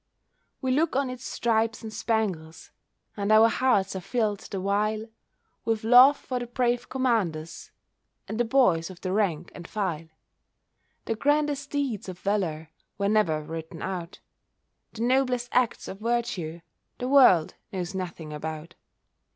We look on its stripes and spangles, And our hearts are filled the while With love for the brave commanders, And the boys of the rank and file. The grandest deeds of valour Were never written out, The noblest acts of virtue The world knows nothing about.